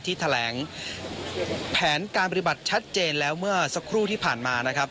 แถลงแผนการปฏิบัติชัดเจนแล้วเมื่อสักครู่ที่ผ่านมานะครับ